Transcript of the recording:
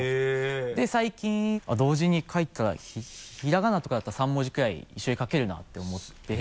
で最近同時に書いたらひらがなとかだったら３文字くらい一緒に書けるなって思って。